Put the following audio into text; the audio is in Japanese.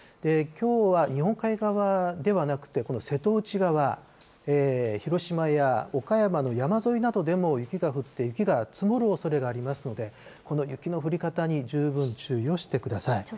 きょうは日本海側ではなくて、この瀬戸内側、広島や岡山の山沿いなどでも雪が降って、雪が積もるおそれがありますので、この雪の降り方に十分注意をしてください。